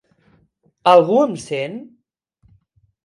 Algú em sent?